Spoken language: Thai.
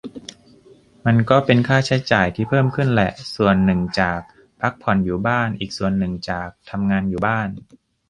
มันก็เป็นค่าใช้จ่ายที่เพิ่มขึ้นแหละ ส่วนหนึ่งจาก "พักผ่อนอยู่บ้าน" อีกส่วนจาก "ทำงานอยู่บ้าน"